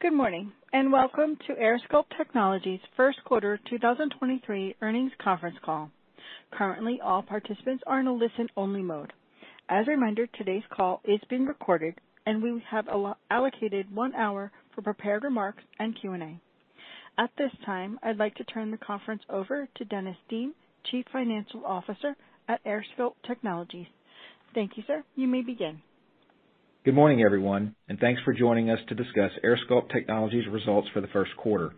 Good morning, welcome to AirSculpt Technologies' first quarter 2023 earnings conference call. Currently, all participants are in a listen-only mode. As a reminder, today's call is being recorded, and we have allocated one hour for prepared remarks and Q&A. At this time, I'd like to turn the conference over to Dennis Dean, Chief Financial Officer at AirSculpt Technologies. Thank you, sir. You may begin. Good morning, everyone, and thanks for joining us to discuss AirSculpt Technologies' results for the first quarter.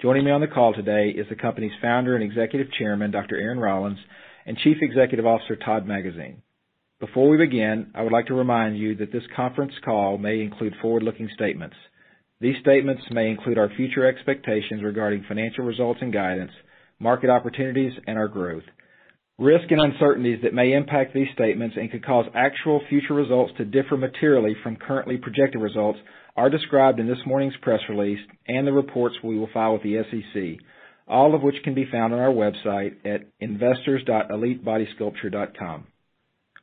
Joining me on the call today is the company's founder and Executive Chairman, Dr. Aaron Rollins, and Chief Executive Officer, Todd Magazine. Before we begin, I would like to remind you that this conference call may include forward-looking statements. These statements may include our future expectations regarding financial results and guidance, market opportunities, and our growth. Risks and uncertainties that may impact these statements and could cause actual future results to differ materially from currently projected results are described in this morning's press release and the reports we will file with the SEC, all of which can be found on our website at investors.airsculpt.com.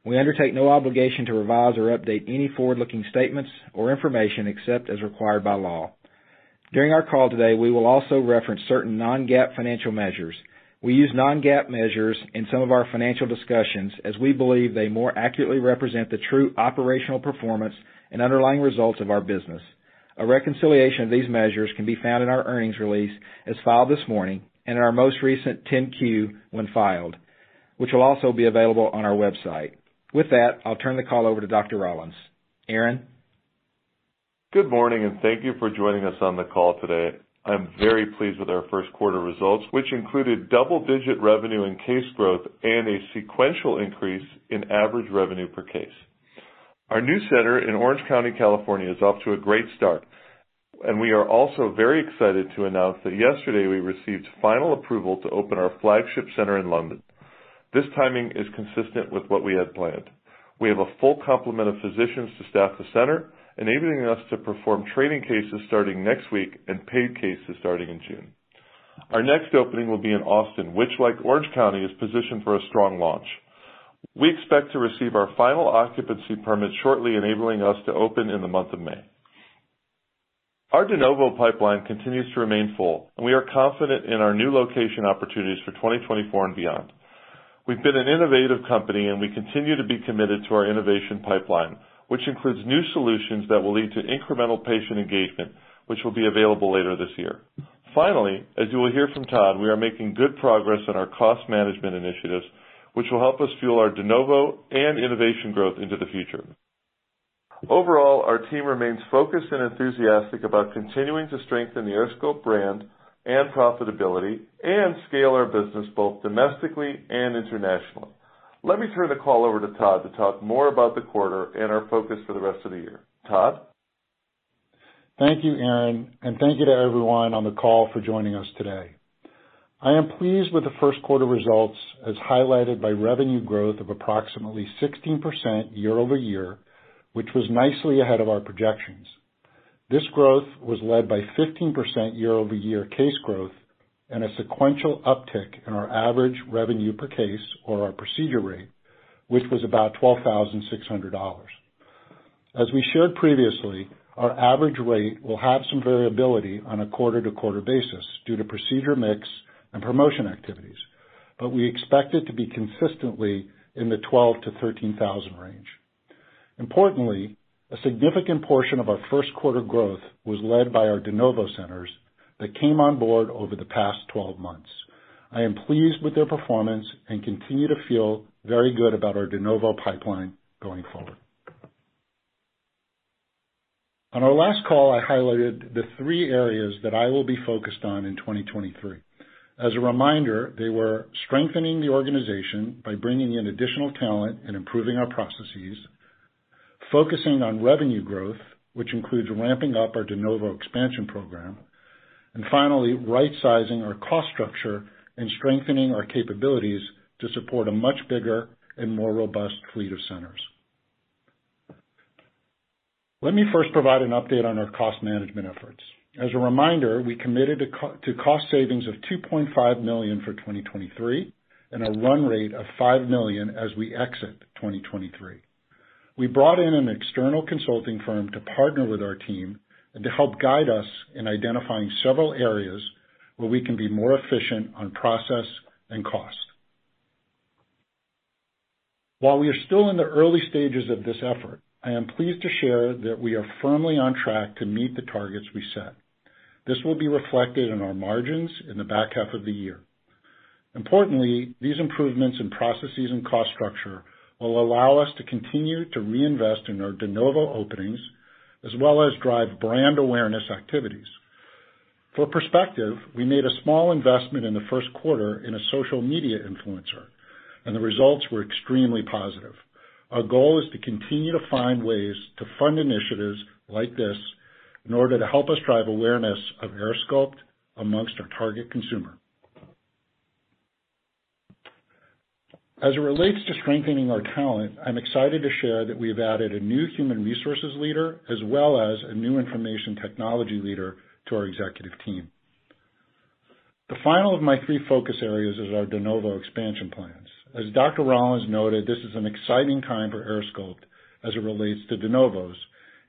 We undertake no obligation to revise or update any forward-looking statements or information except as required by law. During our call today, we will also reference certain non-GAAP financial measures. We use non-GAAP measures in some of our financial discussions as we believe they more accurately represent the true operational performance and underlying results of our business. A reconciliation of these measures can be found in our earnings release, as filed this morning, and in our most recent Form 10-Q, when filed, which will also be available on our website. I'll turn the call over to Dr. Rollins. Aaron? Good morning, thank you for joining us on the call today. I'm very pleased with our first quarter results, which included double-digit revenue and case growth and a sequential increase in average revenue per case. Our new center in Orange County, California, is off to a great start, and we are also very excited to announce that yesterday we received final approval to open our flagship center in London. This timing is consistent with what we had planned. We have a full complement of physicians to staff the center, enabling us to perform training cases starting next week and paid cases starting in June. Our next opening will be in Austin, which like Orange County, is positioned for a strong launch. We expect to receive our final occupancy permit shortly, enabling us to open in the month of May. Our de novo pipeline continues to remain full, and we are confident in our new location opportunities for 2024 and beyond. We've been an innovative company, and we continue to be committed to our innovation pipeline, which includes new solutions that will lead to incremental patient engagement, which will be available later this year. Finally, as you will hear from Todd, we are making good progress on our cost management initiatives, which will help us fuel our de novo and innovation growth into the future. Overall, our team remains focused and enthusiastic about continuing to strengthen the AirSculpt brand and profitability and scale our business both domestically and internationally. Let me turn the call over to Todd to talk more about the quarter and our focus for the rest of the year. Todd? Thank you, Aaron, thank you to everyone on the call for joining us today. I am pleased with the first quarter results, as highlighted by revenue growth of approximately 16% year-over-year, which was nicely ahead of our projections. This growth was led by 15% year-over-year case growth and a sequential uptick in our average revenue per case or our procedure rate, which was about $12,600. As we shared previously, our average rate will have some variability on a quarter-to-quarter basis due to procedure mix and promotion activities, but we expect it to be consistently in the $12,000-$13,000 range. Importantly, a significant portion of our first quarter growth was led by our de novo centers that came on board over the past 12 months. I am pleased with their performance and continue to feel very good about our de novo pipeline going forward. On our last call, I highlighted the three areas that I will be focused on in 2023. As a reminder, they were strengthening the organization by bringing in additional talent and improving our processes; focusing on revenue growth, which includes ramping up our de novo expansion program; and finally, right-sizing our cost structure and strengthening our capabilities to support a much bigger and more robust fleet of centers. Let me first provide an update on our cost management efforts. As a reminder, we committed to cost savings of $2.5 million for 2023 and a run rate of $5 million as we exit 2023. We brought in an external consulting firm to partner with our team and to help guide us in identifying several areas where we can be more efficient on process and cost. While we are still in the early stages of this effort, I am pleased to share that we are firmly on track to meet the targets we set. This will be reflected in our margins in the back half of the year. Importantly, these improvements in processes and cost structure will allow us to continue to reinvest in our de novo openings, as well as drive brand awareness activities. For perspective, we made a small investment in the first quarter in a social media influencer, and the results were extremely positive. Our goal is to continue to find ways to fund initiatives like this in order to help us drive awareness of AirSculpt amongst our target consumer. As it relates to strengthening our talent, I'm excited to share that we have added a new human resources leader as well as a new information technology leader to our executive team. The final of my three focus areas is our de novo expansion plans. As Dr. Aaron Rollins noted, this is an exciting time for AirSculpt as it relates to de novos,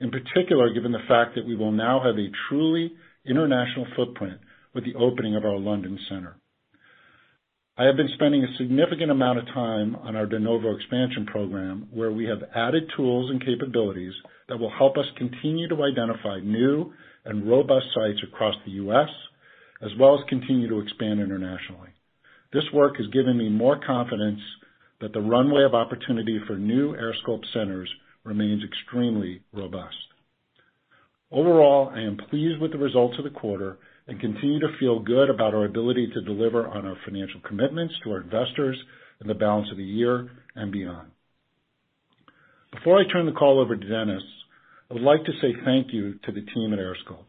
in particular, given the fact that we will now have a truly international footprint with the opening of our London center. I have been spending a significant amount of time on our de novo expansion program, where we have added tools and capabilities that will help us continue to identify new and robust sites across the U.S., as well as continue to expand internationally. This work has given me more confidence that the runway of opportunity for new AirSculpt centers remains extremely robust. Overall, I am pleased with the results of the quarter and continue to feel good about our ability to deliver on our financial commitments to our investors in the balance of the year and beyond. Before I turn the call over to Dennis, I would like to say thank you to the team at AirSculpt.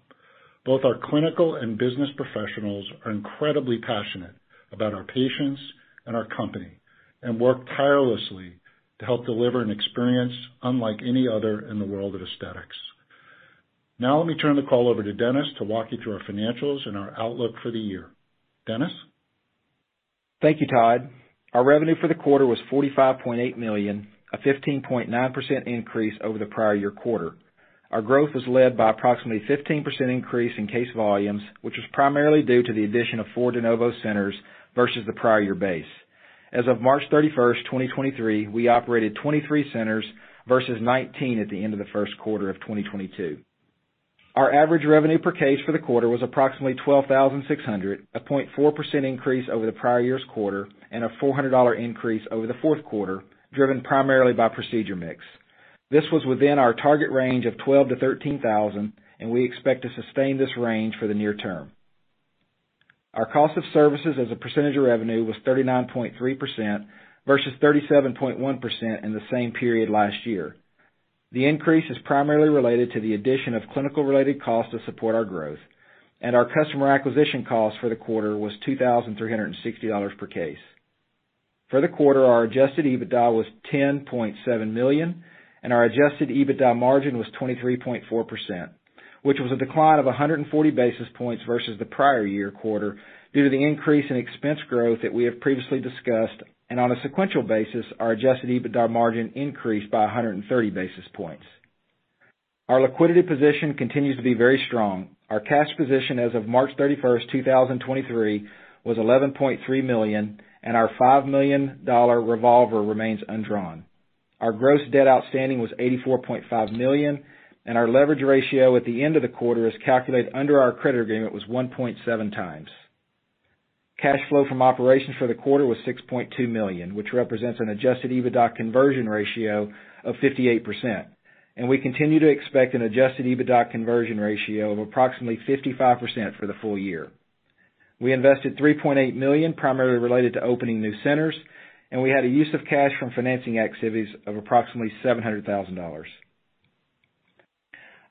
Both our clinical and business professionals are incredibly passionate about our patients and our company, and work tirelessly to help deliver an experience unlike any other in the world of aesthetics. Now let me turn the call over to Dennis to walk you through our financials and our outlook for the year. Dennis? Thank you, Todd. Our revenue for the quarter was $45.8 million, a 15.9% increase over the prior year quarter. Our growth was led by approximately 15% increase in case volumes, which was primarily due to the addition of four de novo centers versus the prior year base. As of March 31st, 2023, we operated 23 centers versus 19 at the end of the first quarter of 2022. Our average revenue per case for the quarter was approximately $12,600, a 0.4% increase over the prior year's quarter and a $400 increase over the fourth quarter, driven primarily by procedure mix. This was within our target range of $12,000-$13,000. We expect to sustain this range for the near term. Our cost of services as a percentage of revenue was 39.3% versus 37.1% in the same period last year. The increase is primarily related to the addition of clinical related costs to support our growth, and our Customer Acquisition Cost for the quarter was $2,360 per case. For the quarter, our Adjusted EBITDA was $10.7 million and our Adjusted EBITDA margin was 23.4%, which was a decline of 140 basis points versus the prior year quarter due to the increase in expense growth that we have previously discussed. On a sequential basis, our Adjusted EBITDA margin increased by 130 basis points. Our liquidity position continues to be very strong. Our cash position as of March 31st, 2023 was $11.3 million, and our $5 million revolver remains undrawn. Our gross debt outstanding was $84.5 million, and our leverage ratio at the end of the quarter is calculated under our credit agreement was 1.7 times. Cash flow from operations for the quarter was $6.2 million, which represents an Adjusted EBITDA conversion ratio of 58%, and we continue to expect an Adjusted EBITDA conversion ratio of approximately 55% for the full year. We invested $3.8 million, primarily related to opening new centers, and we had a use of cash from financing activities of approximately $700,000.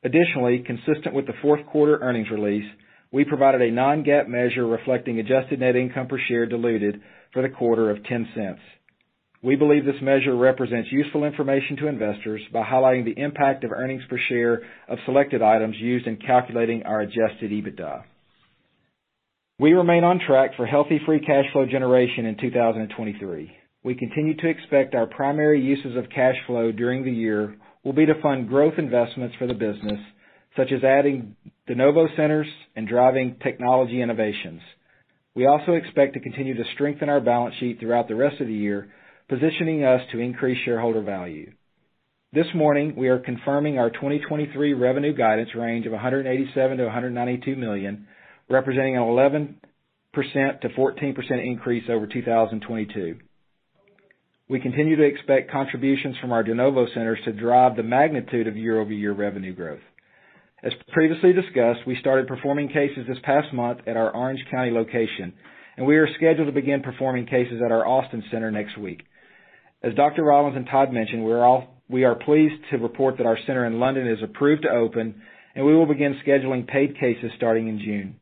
Additionally, consistent with the fourth quarter earnings release, we provided a non-GAAP measure reflecting adjusted net income per share diluted for the quarter of $0.10. We believe this measure represents useful information to investors by highlighting the impact of earnings per share of selected items used in calculating our Adjusted EBITDA. We remain on track for healthy free cash flow generation in 2023. We continue to expect our primary uses of cash flow during the year will be to fund growth investments for the business, such as adding de novo centers and driving technology innovations. We also expect to continue to strengthen our balance sheet throughout the rest of the year, positioning us to increase shareholder value. This morning, we are confirming our 2023 revenue guidance range of $187 million-$192 million, representing an 11%-14% increase over 2022. We continue to expect contributions from our de novo centers to drive the magnitude of year-over-year revenue growth. As previously discussed, we started performing cases this past month at our Orange County location, and we are scheduled to begin performing cases at our Austin center next week. As Dr. Rollins and Todd mentioned, we are pleased to report that our center in London is approved to open, and we will begin scheduling paid cases starting in June.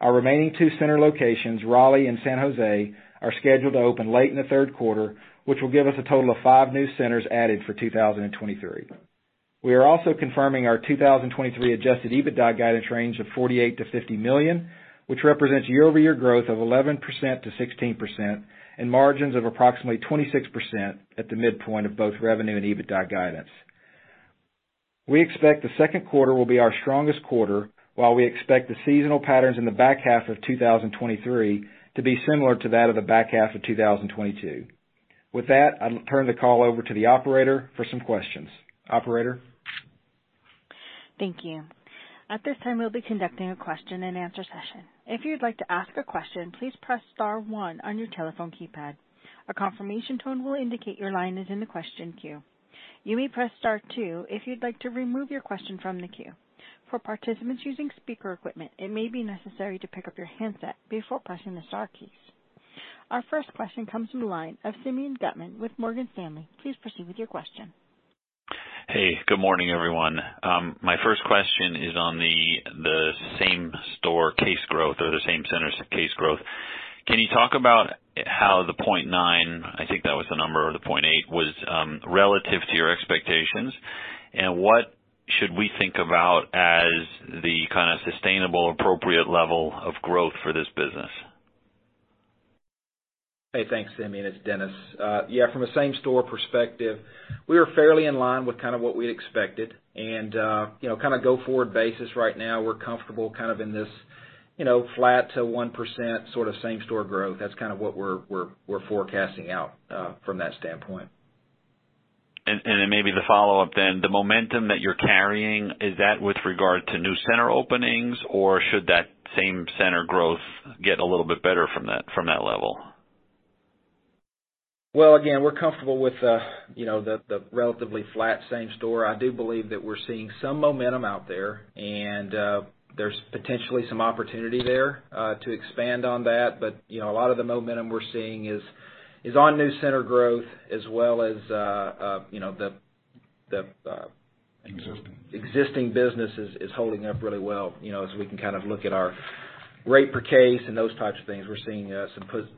Our remaining two center locations, Raleigh and San Jose, are scheduled to open late in the third quarter, which will give us a total of 5 new centers added for 2023. We are also confirming our 2023 Adjusted EBITDA guidance range of $48 million-$50 million, which represents year-over-year growth of 11%-16% and margins of approximately 26% at the midpoint of both revenue and EBITDA guidance. We expect the second quarter will be our strongest quarter, while we expect the seasonal patterns in the back half of 2023 to be similar to that of the back half of 2022. With that, I'll turn the call over to the operator for some questions. Operator? Thank you. At this time, we'll be conducting a question and answer session. If you'd like to ask a question, please press star one on your telephone keypad. A confirmation tone will indicate your line is in the question queue. You may press Star two if you'd like to remove your question from the queue. For participants using speaker equipment, it may be necessary to pick up your handset before pressing the star keys. Our first question comes from the line of Simeon Gutman with Morgan Stanley. Please proceed with your question. Hey, good morning, everyone. My first question is on the same-store case growth or the same centers case growth. Can you talk about how the 0.9, I think that was the number, or the 0.8, was, relative to your expectations? What should we think about as the kind of sustainable, appropriate level of growth for this business? Hey, thanks, Sammy. It's Dennis. Yeah, from a same store perspective, we are fairly in line with kind of what we expected. You know, kind of go forward basis right now, we're comfortable kind of in this, you know, flat to 1% sort of same store growth. That's kind of what we're forecasting out from that standpoint. Then maybe the follow-up then, the momentum that you're carrying, is that with regard to new center openings, or should that same center growth get a little bit better from that level? Well, again, we're comfortable with, you know, the relatively flat same store. I do believe that we're seeing some momentum out there, and, there's potentially some opportunity there, to expand on that. You know, a lot of the momentum we're seeing is on new center growth as well as, you know, the. Existing... existing business is holding up really well. You know, as we can kind of look at our rate per case and those types of things, we're seeing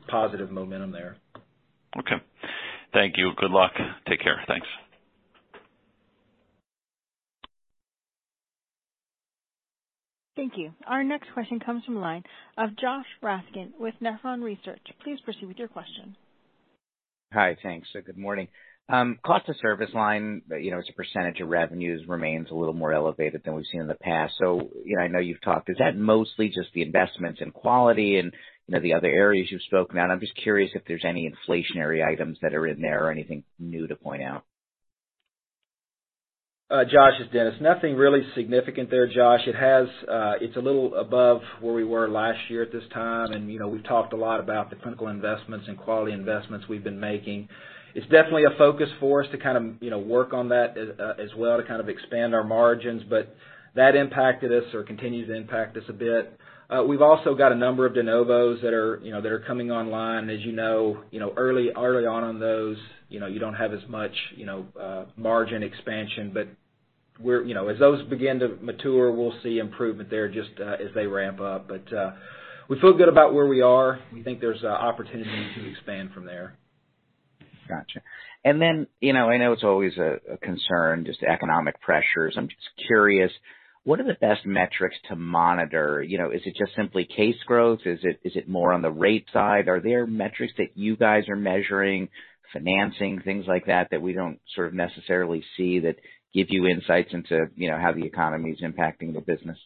positive momentum there. Okay. Thank you. Good luck. Take care. Thanks. Thank you. Our next question comes from line of Joshua Raskin with Nephron Research. Please proceed with your question. Hi. Thanks. Good morning. cost of service line, you know, as a % of revenues remains a little more elevated than we've seen in the past. you know, I know you've talked, is that mostly just the investments in quality and, you know, the other areas you've spoken on? I'm just curious if there's any inflationary items that are in there or anything new to point out. Josh, it's Dennis Dean. Nothing really significant there, Josh. It has, it's a little above where we were last year at this time. You know, we've talked a lot about the clinical investments and quality investments we've been making. It's definitely a focus for us to kind of, you know, work on that as well to kind of expand our margins, but that impacted us or continues to impact us a bit. We've also got a number of de novos that are, you know, that are coming online. As you know, you know, early on those, you know, you don't have as much, you know, margin expansion. We're, you know, as those begin to mature, we'll see improvement there just as they ramp up. We feel good about where we are. We think there's opportunity to expand from there. Gotcha. You know, I know it's always a concern, just economic pressures. I'm just curious, what are the best metrics to monitor? You know, is it just simply case growth? Is it more on the rate side? Are there metrics that you guys are measuring, financing, things like that we don't sort of necessarily see that give you insights into, you know, how the economy's impacting the business?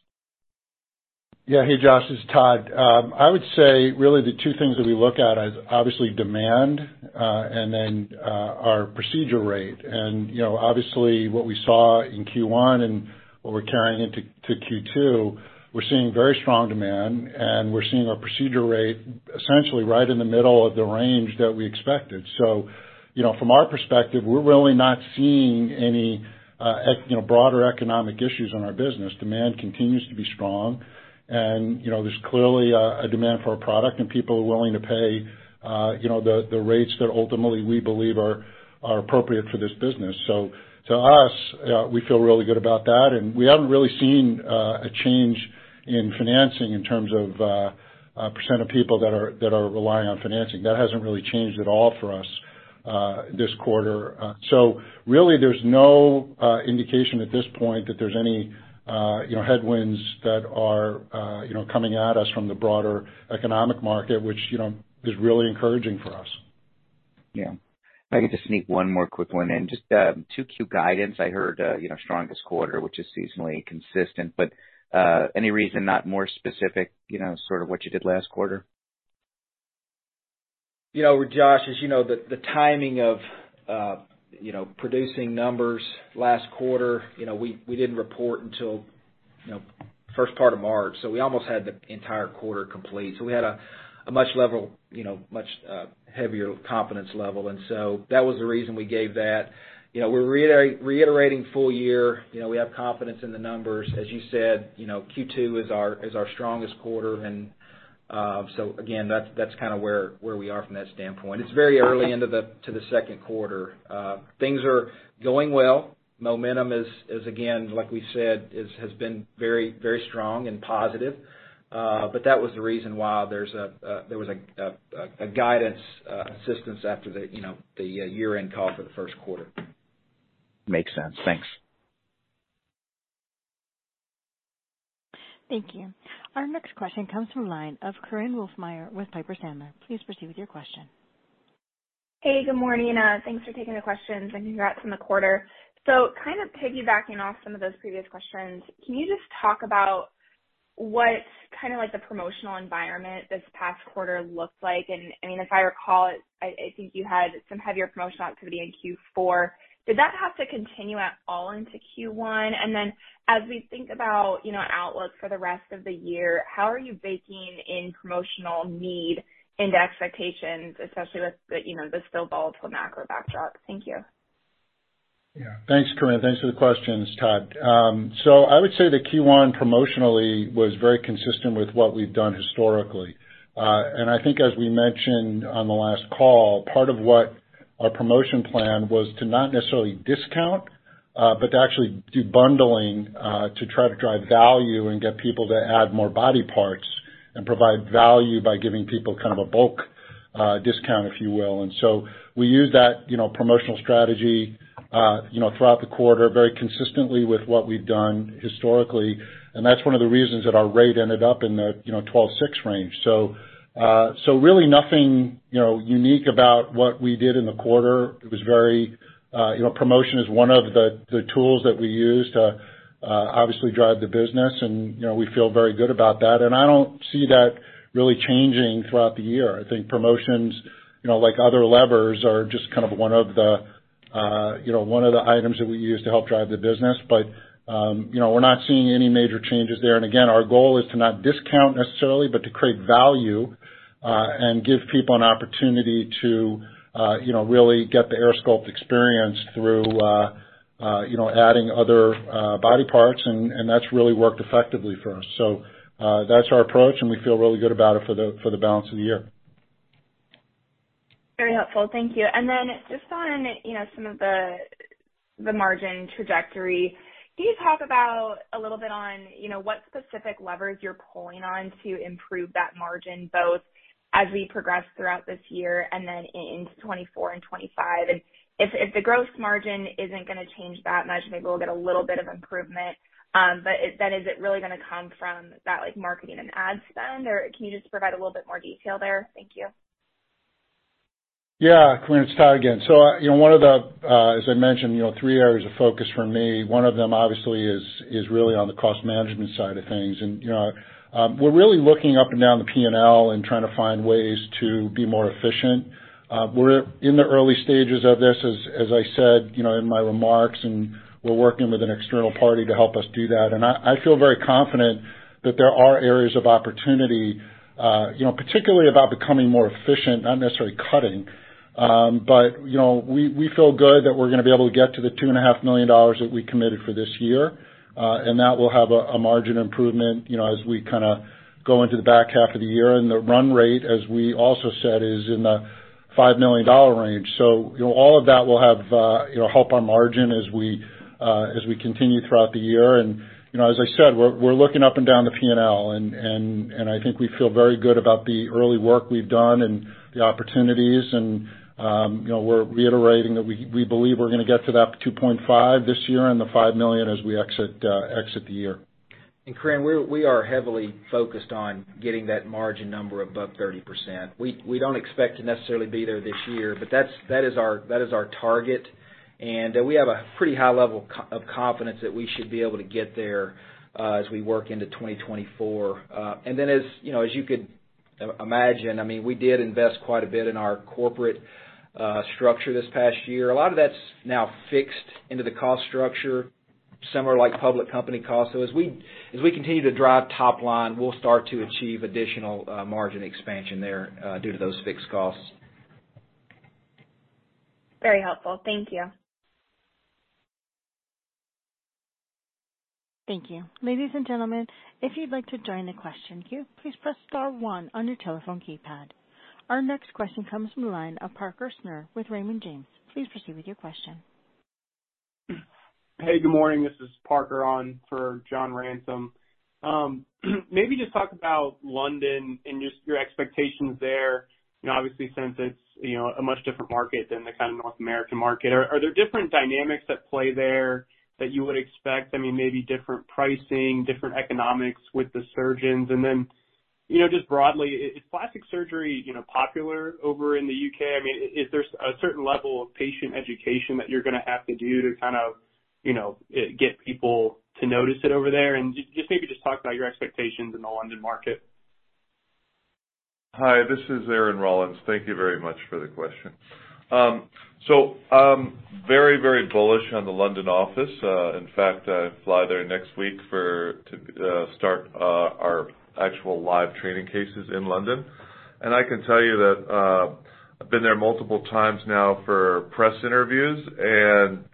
Yeah. Hey, Josh, it's Todd. I would say really the two things that we look at is obviously demand, and then our procedure rate. You know, obviously what we saw in Q1 and what we're carrying into Q2, we're seeing very strong demand, and we're seeing our procedure rate essentially right in the middle of the range that we expected. You know, from our perspective, we're really not seeing any, you know, broader economic issues on our business. Demand continues to be strong. You know, there's clearly a demand for our product and people are willing to pay, you know, the rates that ultimately we believe are appropriate for this business. To us, we feel really good about that. We haven't really seen a change in financing in terms of percent of people that are relying on financing. That hasn't really changed at all for us this quarter. Really there's no indication at this point that there's any, you know, headwinds that are, you know, coming at us from the broader economic market, which, you know, is really encouraging for us. Yeah. If I could just sneak one more quick one in. Just, 2Q guidance. I heard, you know, strongest quarter, which is seasonally consistent, but any reason not more specific, you know, sort of what you did last quarter? You know, Josh, as you know, the timing of, you know, producing numbers last quarter, you know, we didn't report until, you know, first part of March, so we almost had the entire quarter complete. We had a much level, you know, much, heavier confidence level. That was the reason we gave that. You know, we're reiterating full year. You know, we have confidence in the numbers. As you said, you know, Q2 is our strongest quarter. Again, that's kinda where we are from that standpoint. It's very early into the, to the second quarter. Things are going well. Momentum is again, like we said, has been very, very strong and positive. That was the reason why there was a guidance assistance after the, you know, the year-end call for the first quarter. Makes sense. Thanks. Thank you. Our next question comes from line of Korin Wolfmeyer with Piper Sandler. Please proceed with your question. Hey, good morning. Thanks for taking the questions and congrats on the quarter. Kind of piggybacking off some of those previous questions, can you just talk about what kind of like the promotional environment this past quarter looked like? I mean, if I recall, I think you had some heavier promotional activity in Q4. Did that have to continue at all into Q1? As we think about, you know, outlook for the rest of the year, how are you baking in promotional need into expectations, especially with the, you know, the still volatile macro backdrop? Thank you. Yeah. Thanks, Korin. Thanks for the questions. Todd. I would say that Q1 promotionally was very consistent with what we've done historically. I think as we mentioned on the last call, part of what our promotion plan was to not necessarily discount But to actually do bundling, to try to drive value and get people to add more body parts and provide value by giving people kind of a bulk discount, if you will. We use that, you know, promotional strategy, you know, throughout the quarter very consistently with what we've done historically. That's one of the reasons that our rate ended up in the, you know, $12,600 range. Really nothing, you know, unique about what we did in the quarter. It was very, you know, promotion is one of the tools that we use to obviously drive the business and, you know, we feel very good about that. I don't see that really changing throughout the year. I think promotions, you know, like other levers, are just kind of one of the, you know, one of the items that we use to help drive the business. You know, we're not seeing any major changes there. Again, our goal is to not discount necessarily, but to create value, and give people an opportunity to, you know, really get the AirSculpt experience through, you know, adding other, body parts. That's really worked effectively for us. That's our approach, and we feel really good about it for the, for the balance of the year. Very helpful. Thank you. Then just on, you know, some of the margin trajectory, can you talk about, a little bit on, you know, what specific levers you're pulling on to improve that margin, both as we progress throughout this year and then into 2024 and 2025? If, if the gross margin isn't gonna change that much, maybe we'll get a little bit of improvement. Then is it really gonna come from that, like, marketing and ad spend, or can you just provide a little bit more detail there? Thank you. Korinne, it's Todd again. You know, one of the, as I mentioned, you know, three areas of focus for me, one of them obviously is really on the cost management side of things. You know, we're really looking up and down the P&L and trying to find ways to be more efficient. We're in the early stages of this, as I said, you know, in my remarks, and we're working with an external party to help us do that. I feel very confident that there are areas of opportunity, you know, particularly about becoming more efficient, not necessarily cutting. You know, we feel good that we're gonna be able to get to the two and a half million dollars that we committed for this year. That will have a margin improvement, you know, as we kinda go into the back half of the year. The run rate, as we also said, is in the $5 million range. You know, all of that will have, you know, help our margin as we continue throughout the year. You know, as I said, we're looking up and down the P&L and I think we feel very good about the early work we've done and the opportunities. You know, we're reiterating that we believe we're gonna get to that $2.5 million this year and the $5 million as we exit the year. Korinne, we are heavily focused on getting that margin number above 30%. We don't expect to necessarily be there this year, but that is our, that is our target. We have a pretty high level of confidence that we should be able to get there as we work into 2024. As, you know, as you could imagine, I mean, we did invest quite a bit in our corporate structure this past year. A lot of that's now fixed into the cost structure, similar like public company costs. As we continue to drive top line, we'll start to achieve additional margin expansion there due to those fixed costs. Very helpful. Thank you. Thank you. Ladies and gentlemen, if you'd like to join the question queue, please press star one on your telephone keypad. Our next question comes from the line of Parker Snure with Raymond James. Please proceed with your question. Hey, good morning. This is Parker on for John Ransom. Maybe just talk about London and just your expectations there. You know, obviously since it's, you know, a much different market than the kind of North American market. Are there different dynamics at play there that you would expect? I mean, maybe different pricing, different economics with the surgeons. Just broadly, you know, is plastic surgery, you know, popular over in the U.K.? I mean, is there a certain level of patient education that you're gonna have to do to kind of, you know, get people to notice it over there? Just maybe just talk about your expectations in the London market. Hi, this is Aaron Rollins. Thank you very much for the question. I'm very, very bullish on the London office. In fact, I fly there next week to start our actual live training cases in London. I can tell you that I've been there multiple times now for press interviews, and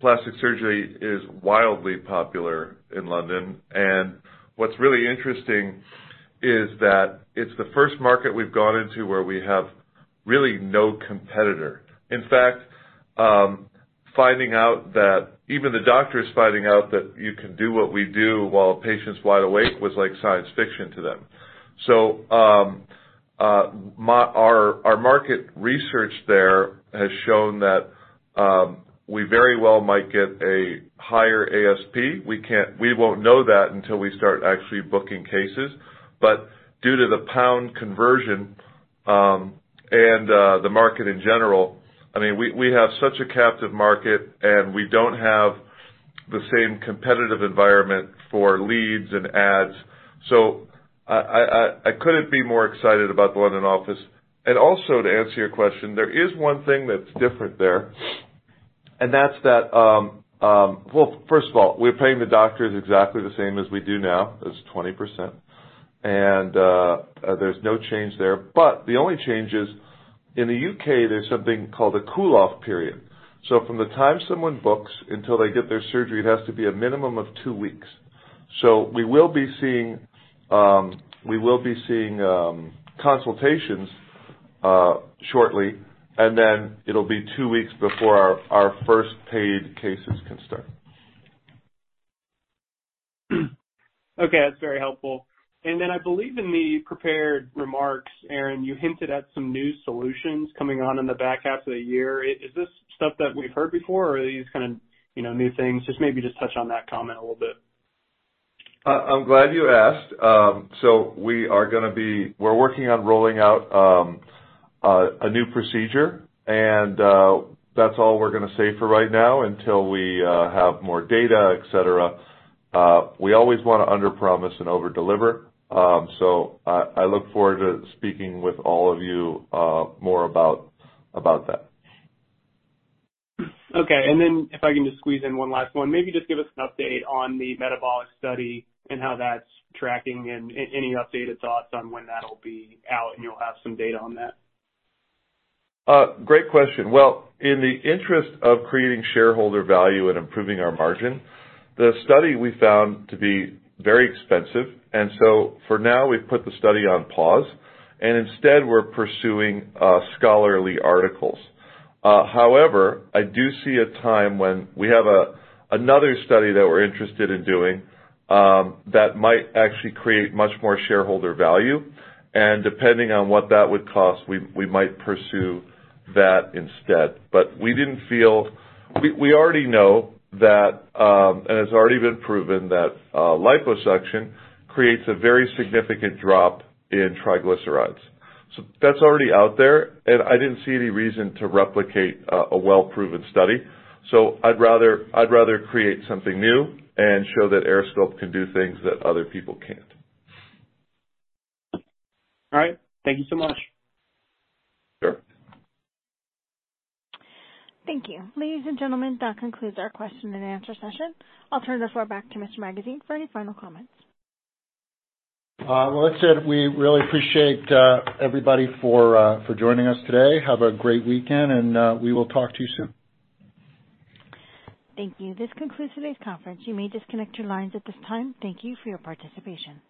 plastic surgery is wildly popular in London. What's really interesting is that it's the first market we've gone into where we have really no competitor. In fact, finding out that even the doctors finding out that you can do what we do while a patient's wide awake was like science fiction to them. Our market research there has shown that we very well might get a higher ASP. We won't know that until we start actually booking cases. Due to the pound conversion, and the market in general, I mean, we have such a captive market, and we don't have the same competitive environment for leads and ads. I couldn't be more excited about the London office. Also to answer your question, there is one thing that's different there, and that's that. Well, first of all, we're paying the doctors exactly the same as we do now. That's 20%. There's no change there. The only change is, in the U.K., there's something called a cooling-off period. From the time someone books until they get their surgery, it has to be a minimum of 2 weeks. We will be seeing consultations shortly, and then it'll be 2 weeks before our first paid cases can start. Okay, that's very helpful. I believe in the prepared remarks, Aaron, you hinted at some new solutions coming on in the back half of the year. Is this stuff that we've heard before or are these kinda, you know, new things? Just maybe just touch on that comment a little bit. I'm glad you asked. We're working on rolling out a new procedure, that's all we're gonna say for right now until we have more data, et cetera. We always wanna underpromise and overdeliver. I look forward to speaking with all of you more about that. Okay. If I can just squeeze in one last one, maybe just give us an update on the metabolic study and how that's tracking and any updated thoughts on when that'll be out and you'll have some data on that? Great question. In the interest of creating shareholder value and improving our margin, the study we found to be very expensive. For now we've put the study on pause, and instead we're pursuing scholarly articles. However, I do see a time when we have another study that we're interested in doing that might actually create much more shareholder value, and depending on what that would cost, we might pursue that instead. We already know that, and it's already been proven that liposuction creates a very significant drop in triglycerides. That's already out there, and I didn't see any reason to replicate a well-proven study. I'd rather create something new and show that AirSculpt can do things that other people can't. All right. Thank you so much. Sure. Thank you. Ladies and gentlemen, that concludes our question and answer session. I'll turn the floor back to Mr. Magazine for any final comments. Melissa, we really appreciate everybody for joining us today. Have a great weekend and we will talk to you soon. Thank you. This concludes today's conference. You may disconnect your lines at this time. Thank you for your participation.